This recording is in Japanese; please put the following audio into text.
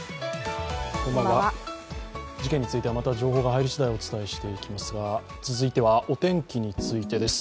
事件については、また情報が入り次第お伝えしていきますが、続いてはお天気についてです。